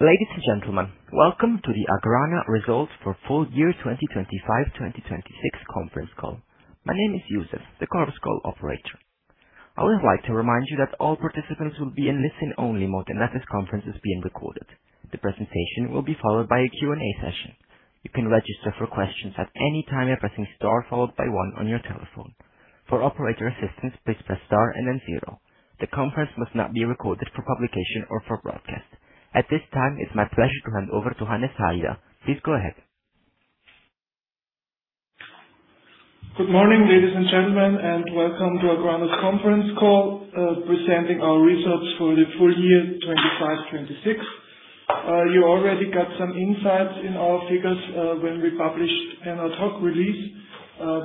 Ladies and gentlemen, welcome to the AGRANA results for full year 2025/2026 conference call. My name is Yusuf, the conference call operator. I would like to remind you that all participants will be in listen-only mode, and that this conference is being recorded. The presentation will be followed by a Q&A session. You can register for questions at any time by pressing star followed by one on your telephone. For operator assistance, please press star and then zero. The conference must not be recorded for publication or for broadcast. At this time, it's my pleasure to hand over to Hannes Haider. Please go ahead. Good morning, ladies and gentlemen, and welcome to AGRANA's conference call, presenting our results for the full year 2025/2026. You already got some insights in our figures when we published an ad hoc release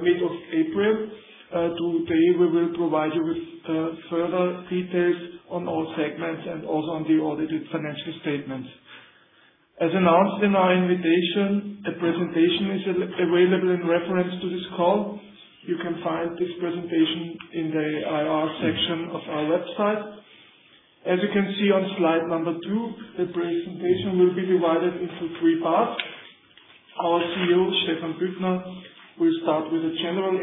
mid of April. Today we will provide you with further details on all segments and also on the audited financial statements. As announced in our invitation, a presentation is available in reference to this call. You can find this presentation in the IR section of our website. As you can see on slide number two, the presentation will be divided into three parts. Our CEO, Stephan Büttner, will start with a general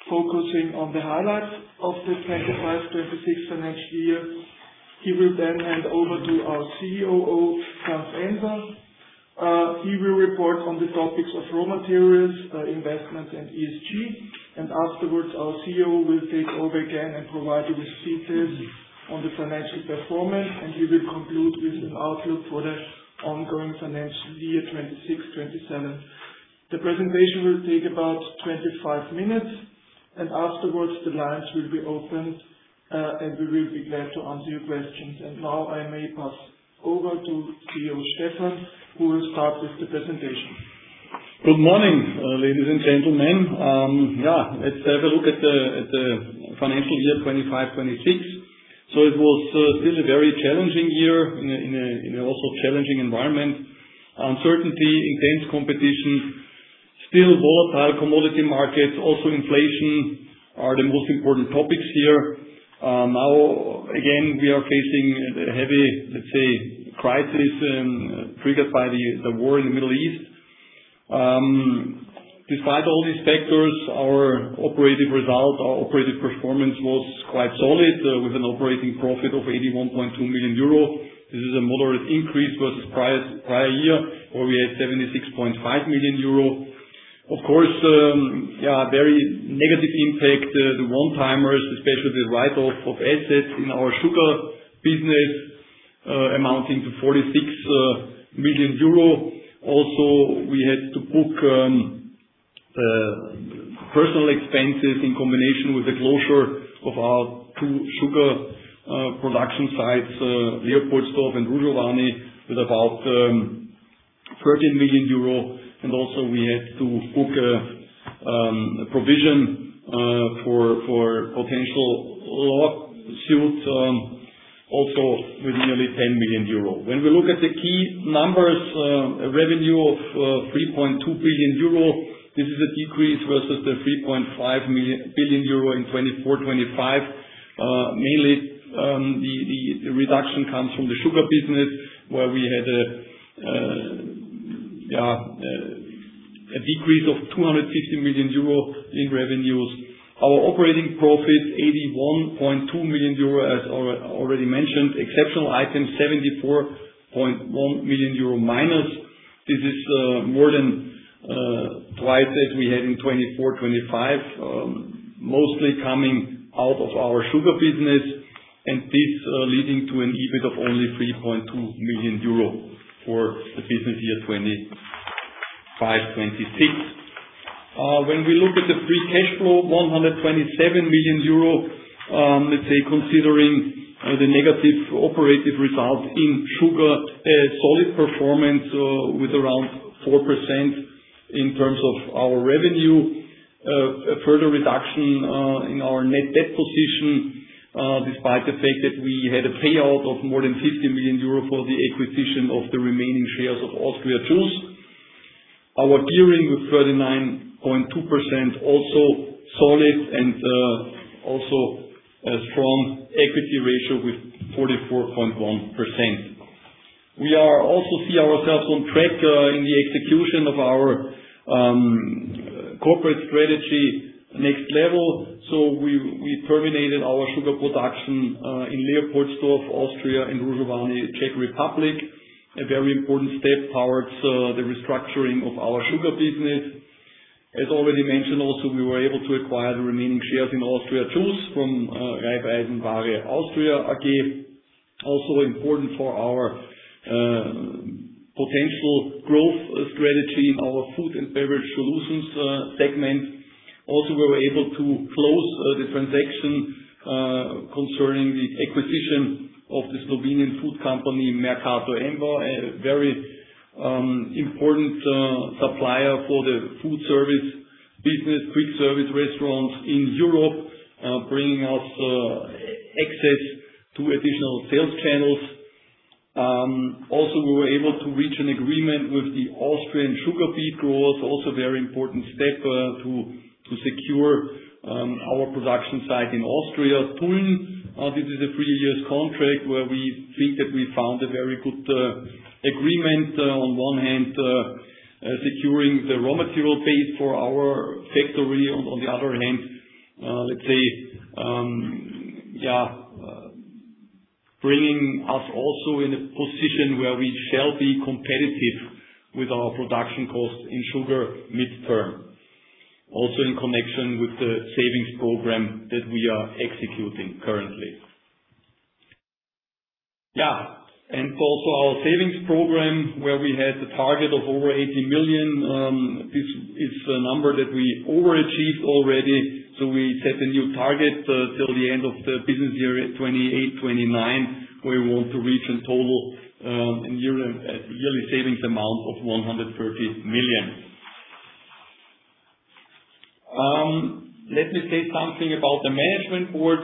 introduction focusing on the highlights of the 2025/2026 financial year. He will then hand over to our COO, Franz Ennser. He will report on the topics of raw materials, investments, and ESG. Afterwards, our CEO will take over again and provide you with details on the financial performance, and he will conclude with an outlook for the ongoing financial year 2026/2027. The presentation will take about 25 minutes, and afterwards the lines will be opened, and we will be glad to answer your questions. Now I may pass over to CEO Stephan, who will start with the presentation. Good morning, ladies and gentlemen. Let's have a look at the financial year 2025/2026. It was still a very challenging year in a also challenging environment. Uncertainty, intense competition, still volatile commodity markets, also inflation are the most important topics here. Now, again, we are facing a heavy, let's say, crisis, triggered by the war in the Middle East. Despite all these factors, our operative result, our operative performance was quite solid, with an operating profit of 81.2 million euro. This is a moderate increase versus prior year, where we had 76.5 million euro. Of course, very negative impact, the one-timers, especially the write-off of assets in our Sugar business, amounting to 46 million euro. We had to book personal expenses in combination with the closure of our two sugar production sites, Leopoldsdorf and Hrušovany, with about 13 million euro. Also, we had to book a provision for potential lawsuits, also with nearly 10 million euro. When we look at the key numbers, a revenue of 3.2 billion euro, this is a decrease versus the 3.5 billion euro in 2024/2025. Mainly, the reduction comes from the Sugar business, where we had a decrease of 250 million euro in revenues. Our operating profit, 81.2 million euro, as already mentioned. Exceptional items, -74.1 million euro. This is more than twice that we had in 2024/2025, mostly coming out of our Sugar business. This leading to an EBIT of only 3.2 million euro for the business year 2025/2026. When we look at the free cash flow, 127 million euro, let's say, considering the negative operative result in Sugar. A solid performance with around 4% in terms of our revenue. A further reduction in our net debt position, despite the fact that we had a payout of more than 50 million euro for the acquisition of the remaining shares of AUSTRIA JUICE. Our gearing with 39.2% also solid and also a strong equity ratio with 44.1%. We also see ourselves on track in the execution of our corporate strategy NEXT LEVEL. We terminated our sugar production in Leopoldsdorf, Austria and Hrušovany, Czech Republic. A very important step towards the restructuring of our Sugar business. As already mentioned, also, we were able to acquire the remaining shares in AUSTRIA JUICE from Raiffeisen Ware Austria AG. Also important for our potential growth strategy in our Food & Beverage Solutions segment. We were able to close the transaction concerning the acquisition of the Slovenian food company, Mercator-Emba, a very important supplier for the food service business, quick service restaurants in Europe, bringing us access to additional sales channels. We were able to reach an agreement with the Austrian sugar beet growers, also very important step to secure our production site in Austria, Tulln. This is a three years contract where we think that we found a very good agreement on one hand, securing the raw material base for our factory. On the other hand, let's say, bringing us also in a position where we shall be competitive with our production costs in Sugar midterm. In connection with the savings program that we are executing currently. Our savings program, where we had a target of over 80 million, this is a number that we overachieved already. We set a new target till the end of the business year 2028/2029, where we want to reach a total euro yearly savings amount of 130 million. Let me say something about the Management Board.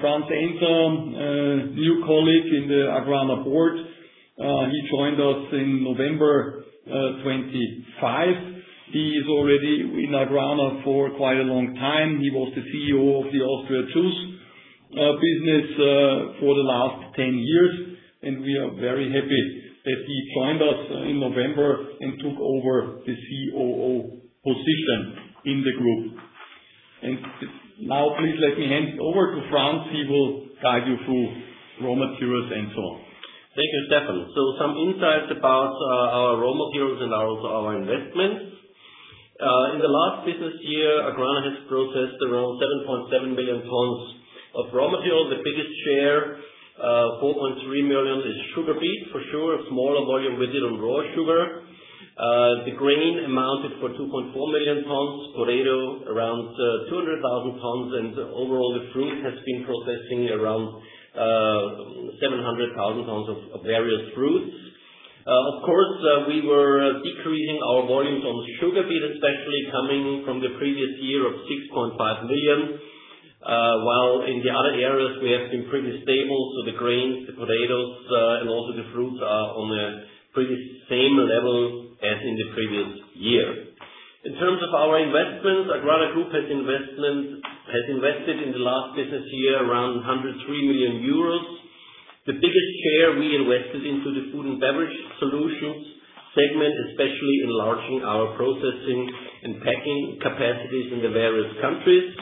Franz Ennser, new colleague in the AGRANA Board. He joined us in November 2025. He is already in AGRANA for quite a long time. He was the CEO of the AUSTRIA JUICE business for the last 10 years, and we are very happy that he joined us in November and took over the COO position in the group. Please let me hand over to Franz. He will guide you through raw materials and so on. Thank you, Stephan. Some insights about our raw materials and also our investments. In the last business year, AGRANA has processed around 7.7 million tons of raw materials. The biggest share, 4.3 million, is sugar beet, for sure, a smaller volume with it on raw sugar. The grain amounted for 2.4 million tons. Potato around 200,000 tons. Overall, the fruit has been processing around 700,000 tons of various fruits. Of course, we were decreasing our volumes on sugar beet, especially coming from the previous year of 6.5 million. While in the other areas we have been pretty stable, so the grains, the potatoes, and also the fruits are on a pretty same level as in the previous year. In terms of our investments, AGRANA Group has invested in the last business year around 103 million euros. The biggest share we invested into the Food & Beverage Solutions segment, especially enlarging our processing and packing capacities in the various countries.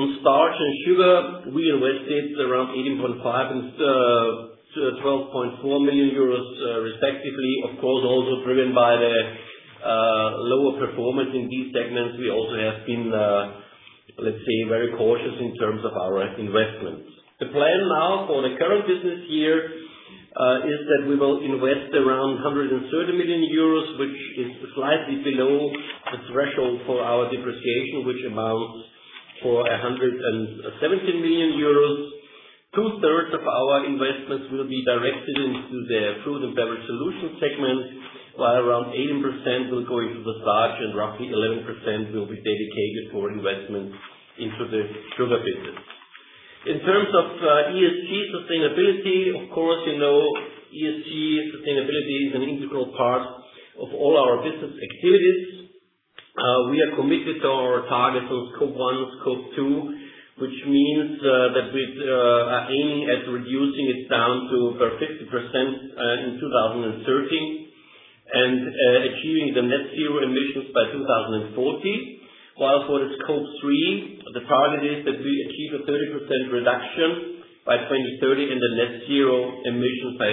On Starch and Sugar, we invested around 18.5 million euros and 12.4 million euros, respectively. Of course, also driven by the lower performance in these segments. We also have been, let's say, very cautious in terms of our investments. The plan now for the current business year is that we will invest around 130 million euros, which is slightly below the threshold for our depreciation, which amounts for 117 million euros. Two-thirds of our investments will be directed into the Food & Beverage Solutions segment, while around 18% will go into the Starch and roughly 11% will be dedicated for investments into the Sugar business. In terms of ESG sustainability, of course, you know, ESG sustainability is an integral part of all our business activities. We are committed to our targets of Scope One, Scope Two, which means that we're aiming at reducing it down to over 50% in 2030, achieving the net zero emissions by 2040. While for the Scope Three, the target is that we achieve a 30% reduction by 2030 and a net zero emission by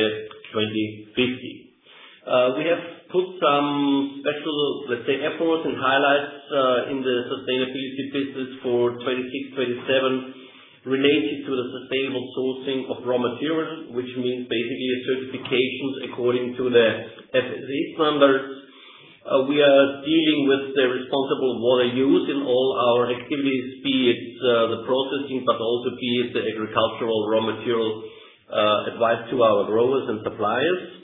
2050. We have put some special, let's say, efforts and highlights in the sustainability business for 2026/2027 related to the sustainable sourcing of raw materials, which means basically certifications according to the FSSC numbers. We are dealing with the responsible water use in all our activities, be it the processing, but also be it the agricultural raw material advice to our growers and suppliers.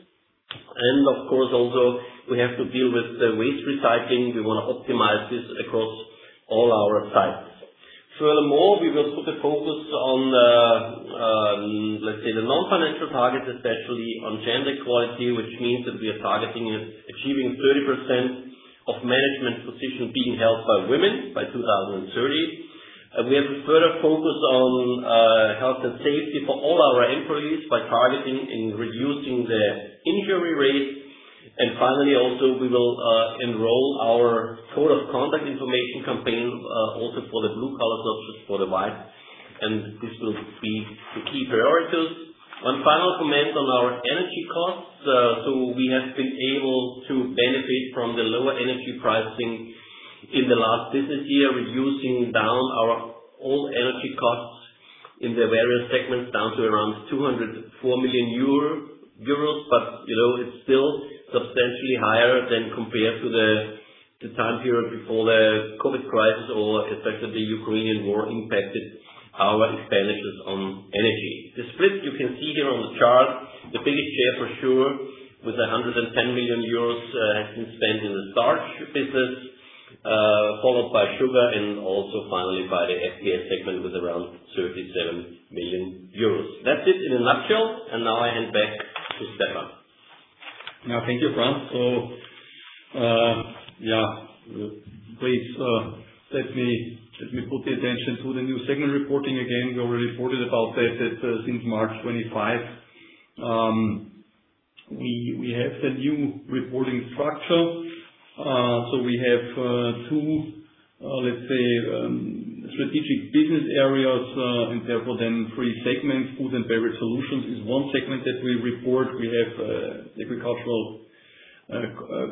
Of course, also we have to deal with the waste recycling. We wanna optimize this across all our sites. Furthermore, we will put a focus on, let's say, the non-financial targets, especially on gender equality, which means that we are targeting achieving 30% of management positions being held by women by 2030. We have a further focus on health and safety for all our employees by targeting and reducing the injury rates. Finally, also, we will enroll our code of conduct information campaigns, also for the blue collar, not just for the white. This will be the key priorities. One final comment on our energy costs. We have been able to benefit from the lower energy pricing in the last business year, reducing down our all energy costs in the various segments down to around 204 million euros. You know, it's still substantially higher than compared to the time period before the COVID crisis or especially the Ukrainian war impacted our expenditures on energy. The split you can see here on the chart. The biggest share for sure, with 110 million euros, has been spent in the Starch business. Followed by Sugar and also finally by the FBS segment with around 37 million euros. That's it in a nutshell. Now I hand back to Stephan. Thank you, Franz. Please let me put the attention to the new segment reporting again. We already reported about that since March 25, we have the new reporting structure. We have two, let's say, strategic business areas, and therefore three segments. Food & Beverage Solutions is one segment that we report. We have agricultural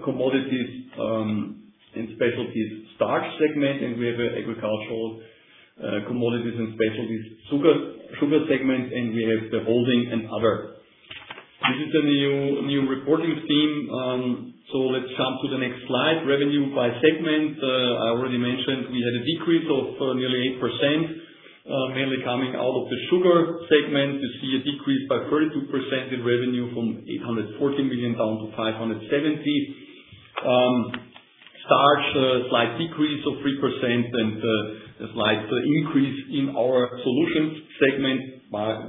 commodities and specialties Starch segment, and we have agricultural commodities and specialties Sugar segment, and we have the Holding and Other. This is the new reporting theme. Let's jump to the next slide. Revenue by segment. I already mentioned we had a decrease of nearly 8%, mainly coming out of the Sugar segment. You see a decrease by 32% in revenue from 814 million down to 570 million. Starch, a slight decrease of 3% and a slight increase in our Solutions segment by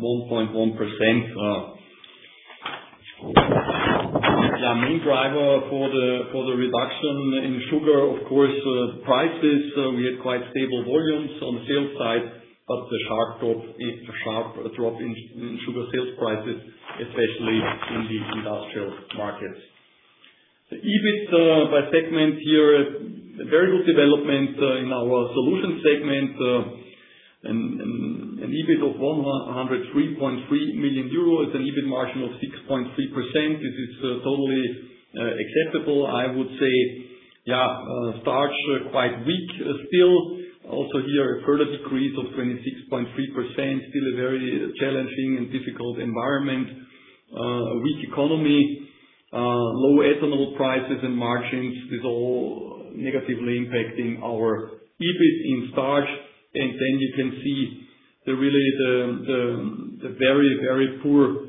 1.1%. Main driver for the reduction in Sugar, of course, prices. We had quite stable volumes on sales side, but the sharp drop is the sharp drop in Sugar sales prices, especially in the industrial markets. The EBIT by segment here, a very good development in our Solutions segment. And an EBIT of 103.3 million euro. It's an EBIT margin of 6.3%. This is totally acceptable. I would say, Starch quite weak still. Also here, a further decrease of 26.3%. Still a very challenging and difficult environment. A weak economy, low ethanol prices and margins is all negatively impacting our EBIT in Starch. Then you can see the really poor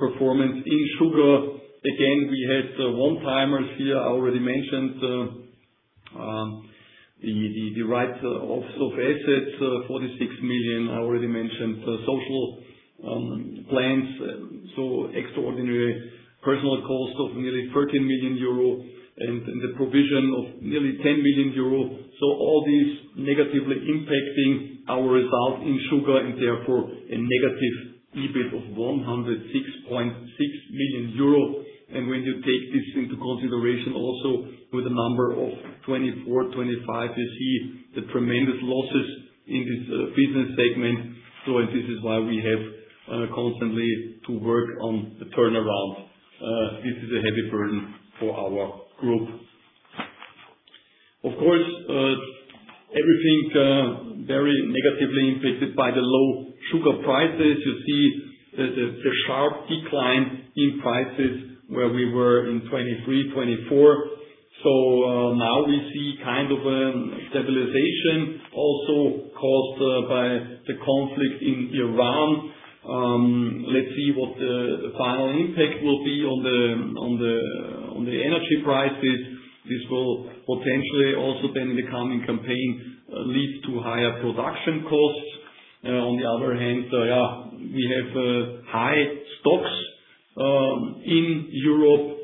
performance in Sugar. We had one-timers here. I already mentioned the write-off of assets, 46 million. I already mentioned the social plans, so extraordinary personal costs of nearly 13 million euro and the provision of nearly 10 million euro. All these negatively impacting our results in Sugar and therefore a negative EBIT of 106.6 million euro. When you take this into consideration also with a number of 2024/2025, you see the tremendous losses in this business segment. This is why we have constantly to work on the turnaround. This is a heavy burden for our group. Of course, everything very negatively impacted by the low Sugar prices. You see the sharp decline in prices where we were in 2023/2024. Now we see kind of stabilization also caused by the conflict in Iran. Let's see what the final impact will be on the energy prices. This will potentially also then in the coming campaign lead to higher production costs. On the other hand, yeah, we have high stocks in Europe.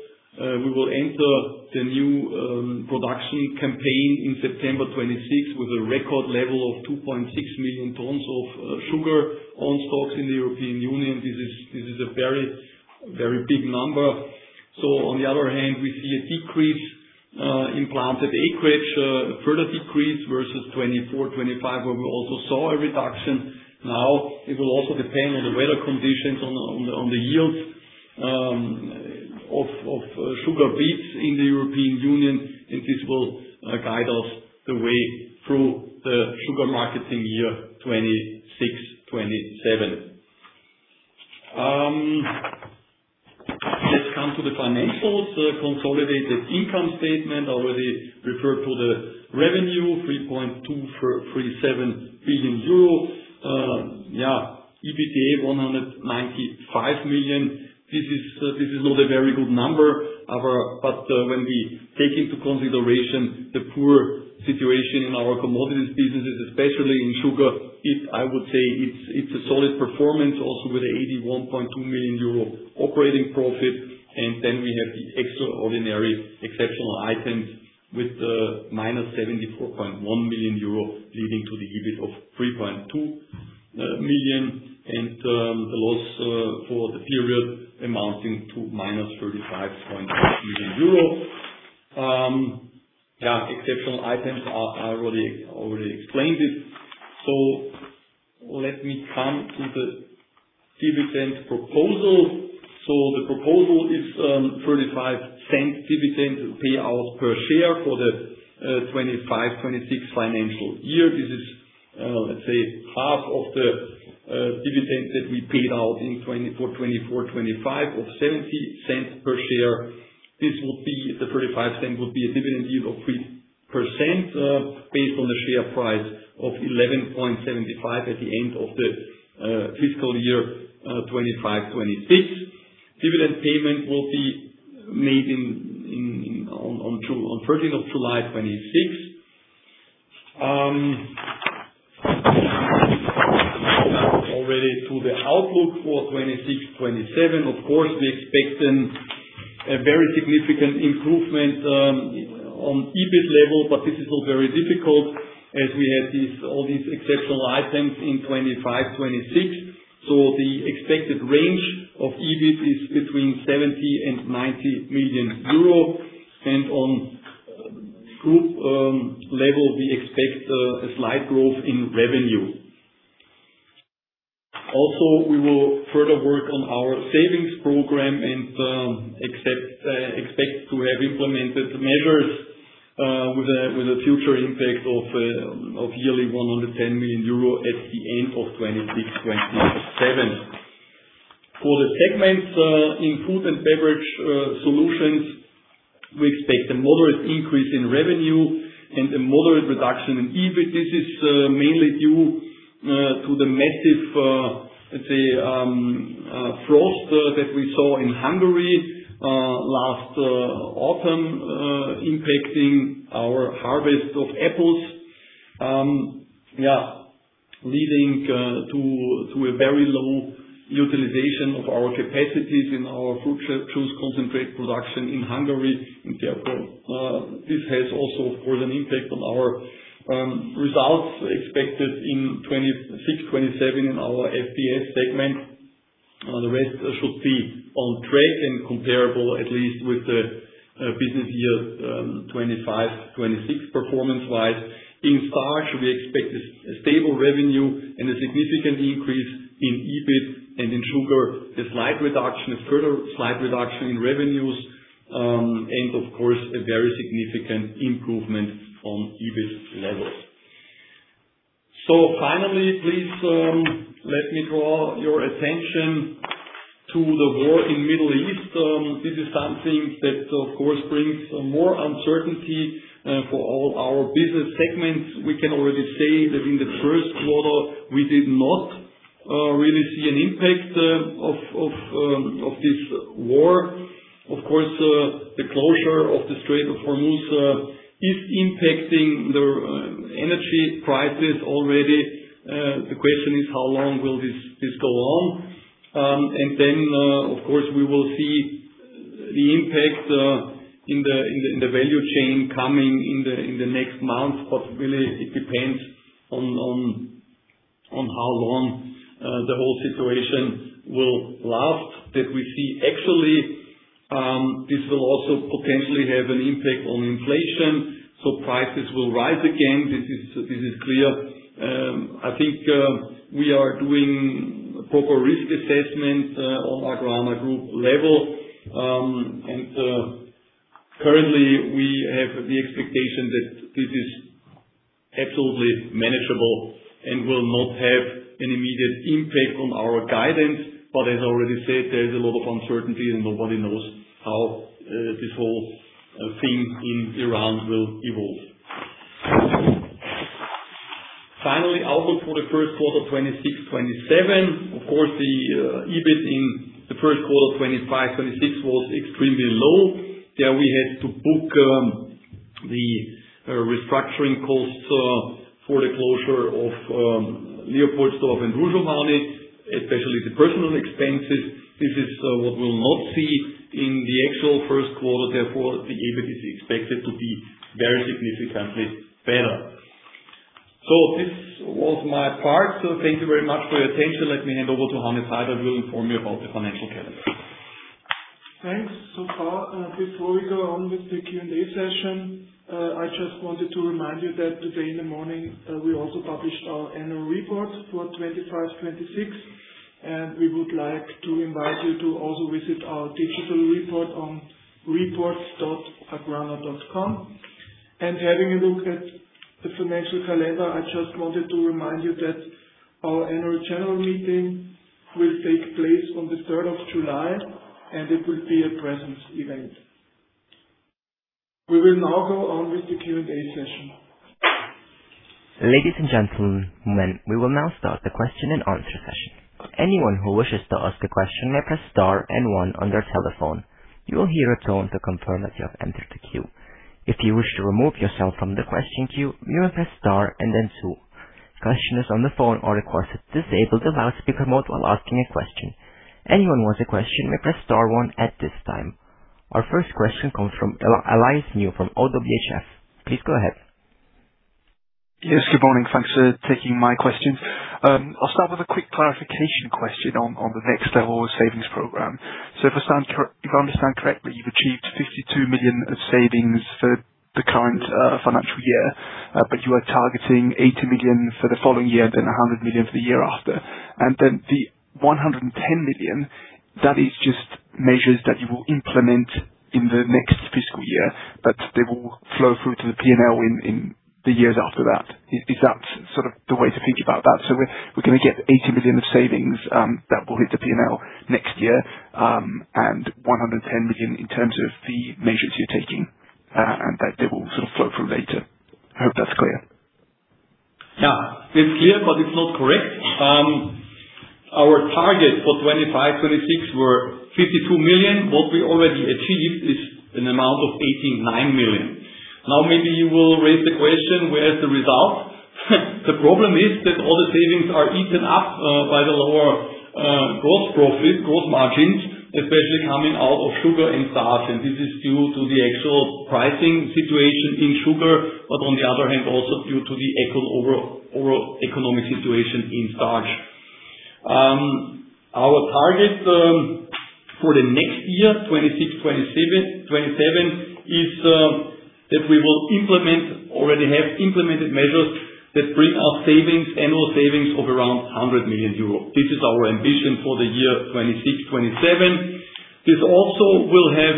We will enter the new production campaign in September 2026 with a record level of 2.6 million tons of sugar on stocks in the European Union. This is a very big number. On the other hand, we see a decrease in planted acreage, a further decrease versus 2024/2025, where we also saw a reduction. It will also depend on the weather conditions on the yields of sugar beets in the European Union, and this will guide us the way through the Sugar marketing year 2026/2027. Let's come to the financials. Consolidated income statement. I already referred to the revenue, 3.237 billion euro. EBITDA 195 million. This is not a very good number. When we take into consideration the poor situation in our commodities businesses, especially in Sugar, I would say it's a solid performance also with 81.2 million euro operating profit. We have the extraordinary exceptional items with -74.1 million euro, leading to the EBIT of 3.2 million and the loss for the period amounting to -35.6 million euro. Exceptional items, I already explained it. Let me come to the dividend proposal. The proposal is 0.35 dividend payout per share for the 2025/2026 financial year. This is, let's say half of the dividend that we paid out for 2024/2025 of 0.70 per share. The 0.35 would be a dividend yield of 3%, based on the share price of 11.75 at the end of the fiscal year 2025/2026. Dividend payment will be made on July 13th, 2026. Now, already to the outlook for 2026/2027. Of course, we expect a very significant improvement on EBIT level, but this is all very difficult as we had this, all these exceptional items in 2025/2026. The expected range of EBIT is between 70 million-90 million euro. On group level, we expect a slight growth in revenue. We will further work on our savings program and expect to have implemented measures with a future impact of yearly 110 million euro at the end of 2026/2027. For the segments in Food & Beverage Solutions, we expect a moderate increase in revenue and a moderate reduction in EBIT. This is mainly due to the massive, let's say, frost that we saw in Hungary last autumn, impacting our harvest of apples. leading to a very low utilization of our capacities in our fruit juice concentrate production in Hungary. Therefore, this has also, of course, an impact on our results expected in 2026/2027 in our FBS segment. The rest should be on track and comparable, at least with the business year 2025/2026, performance-wise. In Starch, we expect a stable revenue and a significant increase in EBIT and in Sugar, a slight reduction, a further slight reduction in revenues, and of course, a very significant improvement on EBIT levels. Finally, please, let me draw your attention to the war in Middle East. This is something that, of course, brings more uncertainty for all our business segments. We can already say that in the first quarter, we did not really see an impact of this war. Of course, the closure of the Strait of Hormuz is impacting the energy prices already. The question is how long will this go on? Of course, we will see the impact in the value chain coming in the next months. Really, it depends on how long the whole situation will last that we see actually, this will also potentially have an impact on inflation. Prices will rise again. This is clear. I think, we are doing proper risk assessment on AGRANA Group level. Currently, we have the expectation that this is absolutely manageable and will not have an immediate impact on our guidance. As I already said, there is a lot of uncertainty and nobody knows how this whole thing in Iran will evolve. Finally, outlook for the first quarter, 2026/2027. Of course, the EBIT in the first quarter, 2025/2026 was extremely low. There we had to book the restructuring costs for the closure of Leopoldsdorf and Hrušovany, especially the personal expenses. This is what we'll not see in the actual first quarter. The EBIT is expected to be very significantly better. This was my part. Thank you very much for your attention. Let me hand over to Hannes Haider, who will inform you about the financial calendar. Thanks so far. Before we go on with the Q&A session, I just wanted to remind you that today in the morning, we also published our annual report for 2025/2026, and we would like to invite you to also visit our digital report on reports.agrana.com. Having a look at the financial calendar, I just wanted to remind you that our Annual General Meeting will take place on the July 3rd, and it will be a presence event. We will now go on with the Q&A session. Ladies and gentlemen, we will now start the question and answer session. Our first question comes from Elias New from ODDO BHF. Please go ahead. Yes, good morning. Thanks for taking my questions. I'll start with a quick clarification question on the NEXT LEVEL of savings program. If I understand correctly, you've achieved 52 million of savings for the current financial year, but you are targeting 80 million for the following year, then 100 million for the year after. The 110 million, that is just measures that you will implement in the next fiscal year, but they will flow through to the P&L in the years after that. Is that sort of the way to think about that? We're gonna get 80 million of savings, that will hit the P&L next year, 110 million in terms of the measures you're taking, and that they will sort of flow through later. Hope that's clear. Yeah, it's clear, but it's not correct. Our target for 2025/2026 were 52 million. What we already achieved is an amount of 89 million. Maybe you will raise the question, where is the result? The problem is that all the savings are eaten up by the lower gross profit, gross margins, especially coming out of Sugar and Starch. This is due to the actual pricing situation in Sugar, but on the other hand, also due to the overall economic situation in Starch. Our target for the next year, 2026/2027, is that we will Already have implemented measures that bring our savings, annual savings of around 100 million euros. This is our ambition for the year 2026/2027. This also will have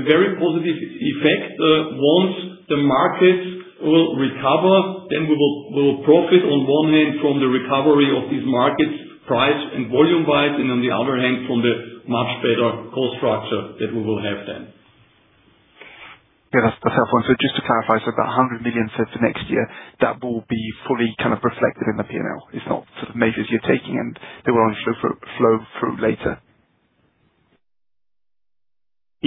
a very positive effect, once the markets will recover, then we will profit on one hand from the recovery of these markets, price and volume-wise, and on the other hand, from the much better cost structure that we will have then. Yeah, that's helpful. Just to clarify, so that 100 million saved for next year, that will be fully kind of reflected in the P&L. It's not sort of measures you're taking, and they will only flow through later.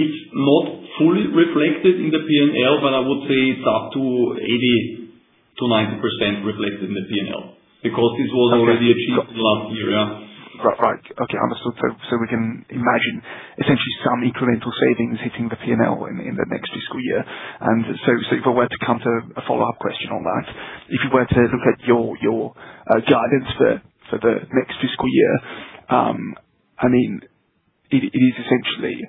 It's not fully reflected in the P&L, but I would say it's up to 80%-90% reflected in the P&L. Okay. This was already achieved in last year. Yeah. Right. Okay, understood. We can imagine essentially some incremental savings hitting the P&L in the next fiscal year. If I were to counter a follow-up question on that, if you were to look at your guidance for the next fiscal year, it is essentially,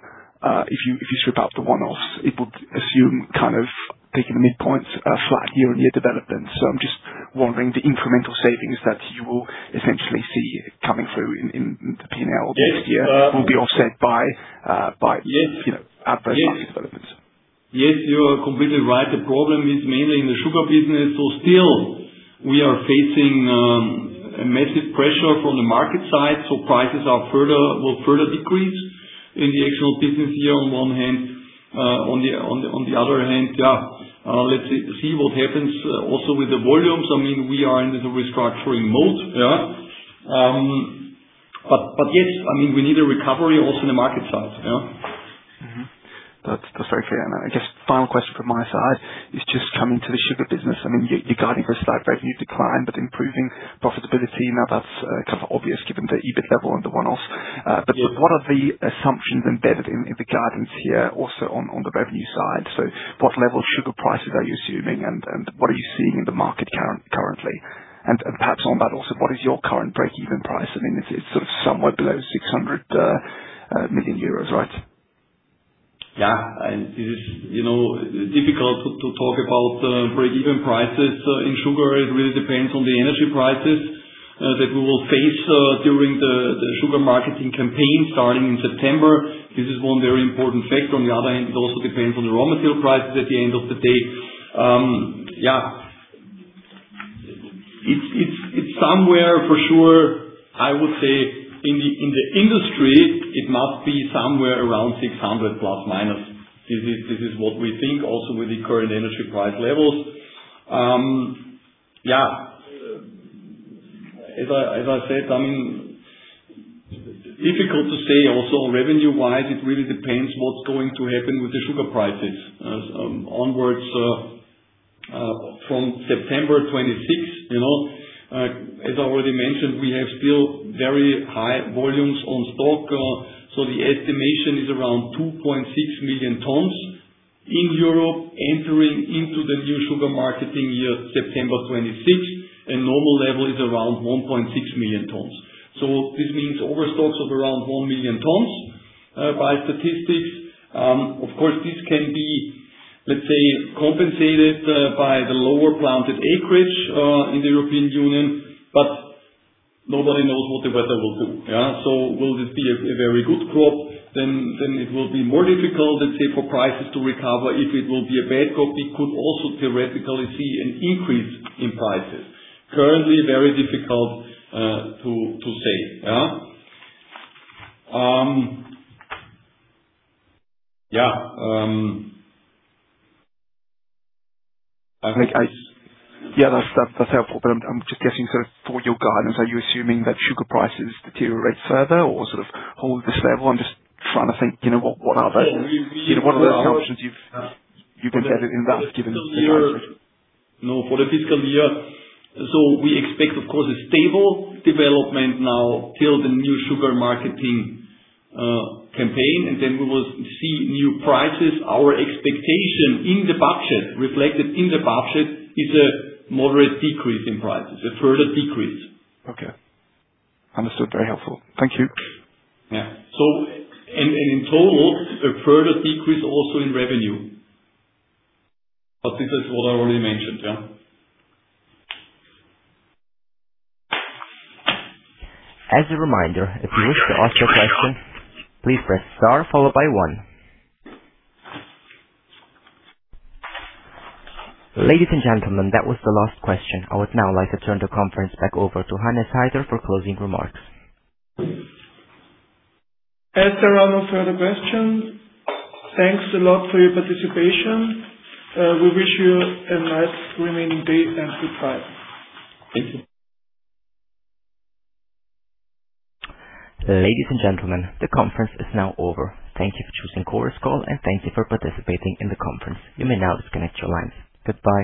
if you strip out the one-offs, it would assume kind of taking the midpoints, flat year and year development. I'm just wondering the incremental savings that you will essentially see coming through in the P&L. Yes. next year will be offset by. Yes you know, adverse market developments. Yes. Yes, you are completely right. The problem is mainly in the Sugar business. Still we are facing a massive pressure from the market side. Prices are further, will further decrease in the actual business year on one hand. On the, on the, on the other hand, yeah, let's see what happens also with the volumes. I mean, we are in the restructuring mode. Yeah. But yes, I mean, we need a recovery also in the market side. Yeah. Mm-hmm. That's very fair. I guess final question from my side is just coming to the Sugar business. I mean, you're guiding a slight revenue decline, but improving profitability. Now that's kind of obvious given the EBIT level and the one-offs. Yes What are the assumptions embedded in the guidance here also on the revenue side? What level of Sugar prices are you assuming and what are you seeing in the market currently? Perhaps on that also, what is your current break-even price? I mean, if it's sort of somewhere below 600 million euros, right? It is, you know, difficult to talk about break-even prices in Sugar. It really depends on the energy prices that we will face during the Sugar marketing campaign starting in September. This is one very important factor. It also depends on the raw material prices at the end of the day. It's somewhere for sure, I would say in the industry, it must be somewhere around EUR 600±. This is what we think also with the current energy price levels. I mean, difficult to say also revenue-wise. It really depends what's going to happen with the Sugar prices so onwards from September 2026, you know. As I already mentioned, we have still very high volumes on stock. The estimation is around 2.6 million tons in Europe entering into the new Sugar marketing year, September 2026, and normal level is around 1.6 million tons. This means overstocks of around 1 million tons by statistics. Of course, this can be, let's say, compensated by the lower planted acreage in the European Union, but nobody knows what the weather will do. Will this be a very good crop? It will be more difficult, let's say, for prices to recover. If it will be a bad crop, it could also theoretically see an increase in prices. Currently, very difficult to say. I think I Yeah, that's helpful. I'm just guessing sort of for your guidance, are you assuming that Sugar prices deteriorate further or sort of hold this level? I'm just trying to think, you know, what are the? You know, what are the assumptions you've embedded in that given the guidance? For the fiscal year. No, for the fiscal year. We expect, of course, a stable development now till the new Sugar marketing campaign, then we will see new prices. Our expectation in the budget, reflected in the budget, is a moderate decrease in prices, a further decrease. Okay. Understood. Very helpful. Thank you. Yeah. In, in total, a further decrease also in revenue. This is what I already mentioned. Yeah. As a reminder, if you wish to ask your question, please press star followed by one. Ladies and gentlemen, that was the last question. I would now like to turn the conference back over to Hannes Haider for closing remarks. As there are no further questions, thanks a lot for your participation. We wish you a nice remaining day and goodbye. Thank you. Ladies and gentlemen, the conference is now over. Thank you for choosing Chorus Call, and thank you for participating in the conference. You may now disconnect your lines. Goodbye.